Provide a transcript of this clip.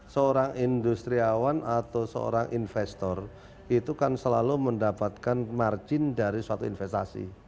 seorang industriawan atau seorang investor itu kan selalu mendapatkan margin dari suatu investasi